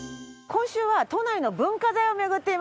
今週は都内の文化財を巡っています。